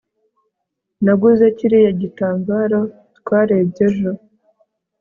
Naguze kiriya gitambaro twarebye ejo